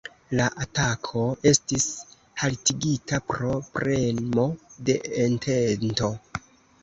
La atako estis haltigita pro premo de Entento.